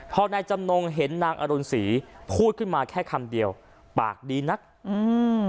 พอนายจำนงเห็นนางอรุณศรีพูดขึ้นมาแค่คำเดียวปากดีนักอืม